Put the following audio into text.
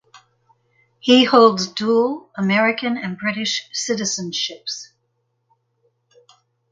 He holds dual American and British citizenships.